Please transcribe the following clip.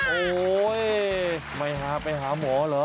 โอ้โหไม่หาไปหาหมอเหรอ